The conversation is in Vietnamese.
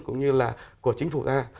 cũng như là của chính phủ ta